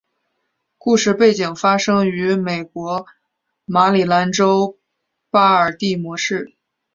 故事背景发生于美国马里兰州巴尔的摩市。